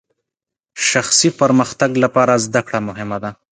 شخصي پرمختګ لپاره زدهکړه مهمه ده.